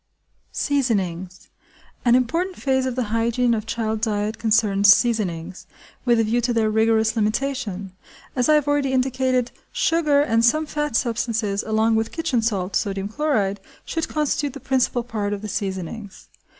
Seasonings. An important phase of the hygiene of child diet concerns seasonings–with a view to their rigorous limitation. As I have already indicated, sugar and some fat substances along with kitchen salt (sodium chloride) should constitute the principal part of the seasonings.